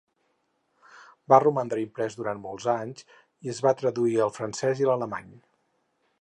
Va romandre imprès durant molts anys i es va traduir al francès i l'alemany.